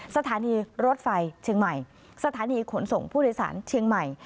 สถานีรถไฟเชียงใหม่สถานีขนส่งผู้โดยสารเชียงใหม่